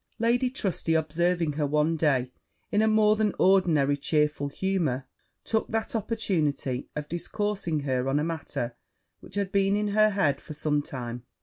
Lady Trusty observing her one day in a more than ordinarily chearful humour, took that opportunity of discoursing with her on a matter which had been in her head for some time.